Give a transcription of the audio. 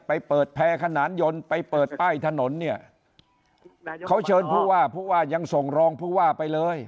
ไปเปิดแพร่ขนานยนต์ไปเปิดป้ายถนนเนี่ยเขาเชิญผู้ว่าผู้ว่ายังส่งรองผู้ว่าไปเลย